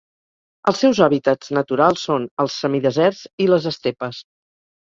Els seus hàbitats naturals són els semideserts i les estepes.